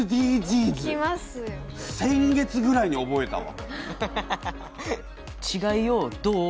先月ぐらいに覚えたわ。